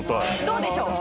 どうでしょう？